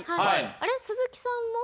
あれ、鈴木さんも。